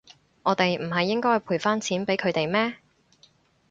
我哋唔係應該賠返錢畀佢哋咩？